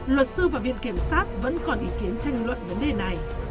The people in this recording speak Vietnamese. luật sư và viện kiểm sát vẫn còn ý kiến tranh luận vấn đề này